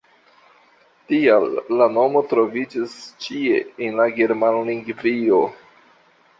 Tial la nomo troviĝas ĉie en la Germanlingvio.